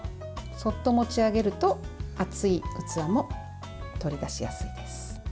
そっと持ち上げると熱い器も取り出しやすいです。